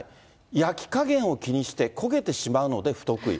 焼き加減を気にして焦げてしまうので不得意。